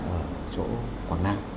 ở chỗ quảng nam